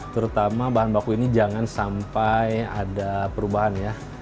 terutama bahan baku ini jangan sampai ada perubahan ya